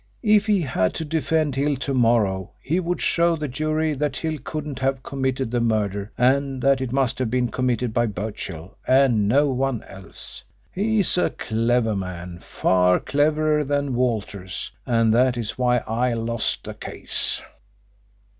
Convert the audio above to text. If he had to defend Hill to morrow he would show the jury that Hill couldn't have committed the murder and that it must have been committed by Birchill and no one else. He's a clever man, far cleverer than Walters, and that is why I lost the case."